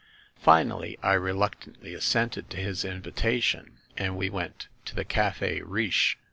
Finally, I reluctantly assented to his invita tion, and we went to the Cafe Riche.